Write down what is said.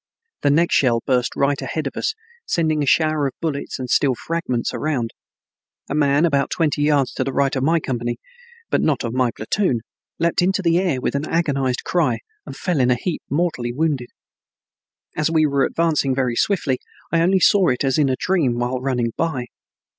The next shell burst right ahead of us, sending a shower of bullets and steel fragments around. A man about twenty yards to the right of my company, but not of my platoon, leaped into the air with an agonizing cry and fell in a heap, mortally wounded. As we were advancing very swiftly, I only saw it as in a dream, while running by.